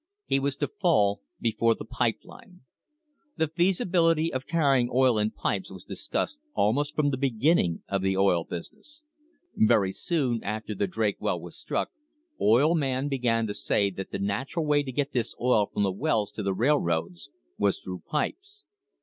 He was to fall before the pipe line. The feasibility of carrying oil in pipes was dis cussed almost from the beginning of the oil business. Very soon after the Drake well was struck oil men began to say that the natural way to get this oil from the wells to the rail roads was through pipes.